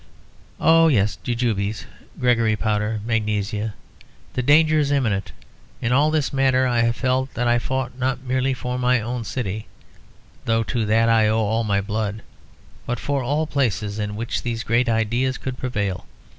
"Oh yes, jujubes Gregory powder magnesia. The danger is imminent. In all this matter I have felt that I fought not merely for my own city (though to that I owe all my blood), but for all places in which these great ideas could prevail.